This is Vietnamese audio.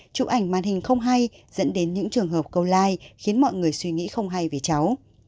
chụp ảnh màn hình không hay dẫn đến những trường hợp câu like khiến mọi người suy nghĩ không hay về cháu